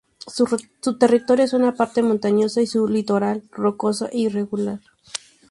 Su territorio es en parte montañoso y su litoral rocoso e irregular.